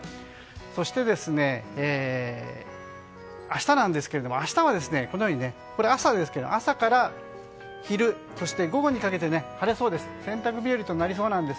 そして、明日なんですけども明日の朝から昼そして午後にかけて晴れそうです。